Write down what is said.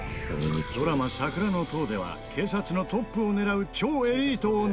ドラマ『桜の塔』では警察のトップを狙う超エリートを熱演！